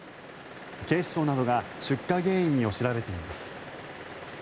警視庁などが出火原因を調べています。